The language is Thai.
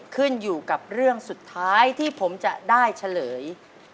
ขึ้นอยู่กับเรื่องสุดท้ายที่ผมจะได้เฉลย